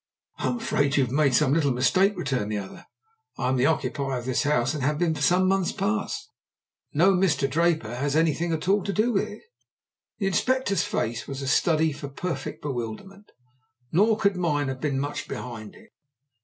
"I am afraid you have made some little mistake," returned the other. "I am the occupier of this house, and have been for some months past. No Mr. Draper has anything at all to do with it." The Inspector's face was a study for perfect bewilderment. Nor could mine have been much behind it.